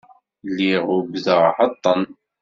Lliɣ ugdeɣ εṭen.